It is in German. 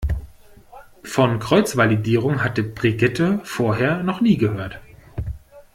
Von Kreuzvalidierung hatte Brigitte vorher noch nie gehört.